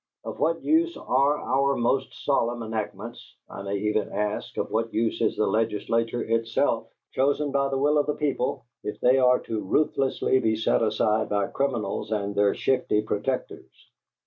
Of what use are our most solemn enactments, I may even ask of what use is the Legislature itself, chosen by the will of the people, if they are to ruthlessly be set aside by criminals and their shifty protectors?